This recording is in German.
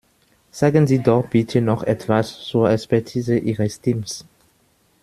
Sagen Sie doch bitte noch etwas zur Expertise Ihres Teams.